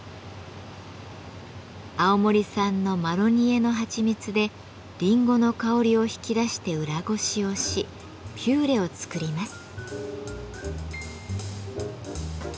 青森産のマロニエのはちみつでりんごの香りを引き出して裏ごしをしピューレを作ります。